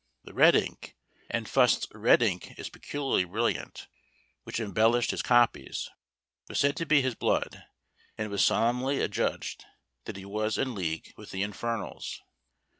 The red ink, and Fust's red ink is peculiarly brilliant, which embellished his copies, was said to be his blood; and it was solemnly adjudged that he was in league with the Infernals.